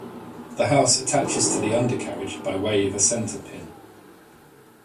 The house attaches to the undercarriage by way of a center pin.